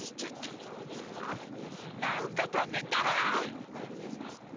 なんかたべたい！